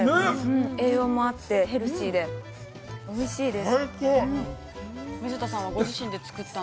栄養もあって、ヘルシーでおいしいです。